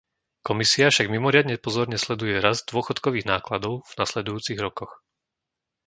Komisia však mimoriadne pozorne sleduje rast dôchodkových nákladov v nasledujúcich rokoch.